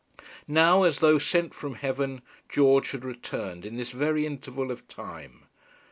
Now, as though sent from heaven, George had returned, in this very interval of time.